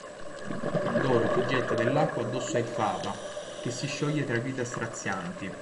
Dorothy getta dell'acqua addosso a Elphaba, che si scioglie tra grida strazianti.